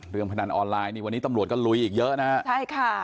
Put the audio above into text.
เรื่องประดันอออนไลน์สำรวจก็ลุยเยอะเลยนะครับ